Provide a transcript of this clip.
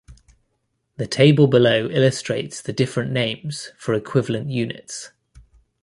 The table below illustrates the different names for equivalent units.